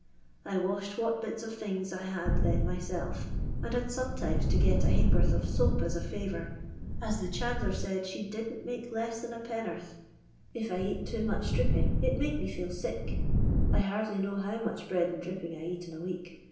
I washed what bits of things I had then myself, and had sometimes to get a ha'porth of soap as a favour, as the chandler said she 'didn't miUce less than a penn'orth.' If I eat too much dripping, it made me feel sick. I hardly know how much bread and dripping I eat in a week.